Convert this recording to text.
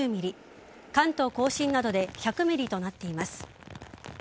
関東甲信などで１００ｍｍとなっています。